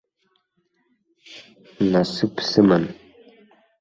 Насыԥ сыман.